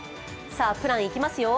プラン、いきますよ。